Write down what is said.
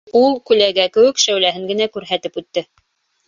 Ул күләгә кеүек шәүләһен генә күрһәтеп үтте.